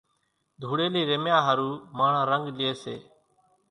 ڌوڙيلي رميا ۿارو ماڻۿان رنڳ لئي سي